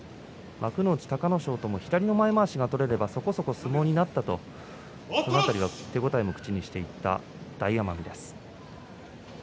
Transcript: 幕内、隆の勝とも左の前まわしが取れればそこそこ相撲になったと手応えも口にしている大奄美です。